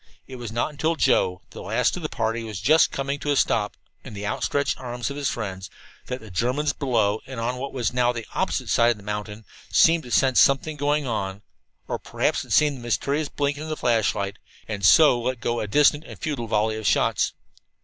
It was not until Joe, the last of the party, was just coming to a stop in the outstretched arms of his friends, that the Germans below, and on what was now the opposite mountain, seemed to sense something going on or perhaps had seen the mysterious blinking of the flashlight and let go a distant and futile volley of shots.